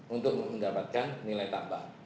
untuk mendapatkan nilai tambang